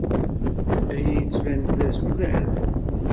Aya yettban-d d azulal?